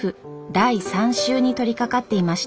第３集に取りかかっていました。